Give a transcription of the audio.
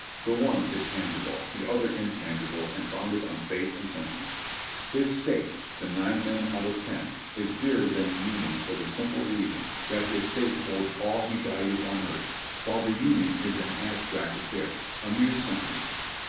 The one is tangible, the other intangible and founded on faith and sentiment. His State, to nine men out of ten, is dearer than the Union for the simple reason that his State 438 JOHNNY RHB AND BILLY YANK holds all that he values on earth, while the Union is an abstract affair — a mere sentiment.